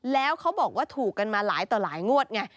แล้วเขาบอกว่าถูกกันมาหลายต่อหลายงวดไง